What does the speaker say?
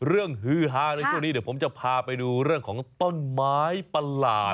ฮือฮาในช่วงนี้เดี๋ยวผมจะพาไปดูเรื่องของต้นไม้ประหลาด